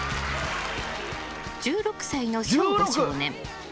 １６歳の省吾少年。